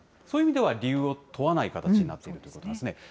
そういう意味では、理由を問わない形になっているんですね。